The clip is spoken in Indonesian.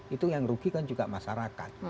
itu yang rugikan juga masyarakat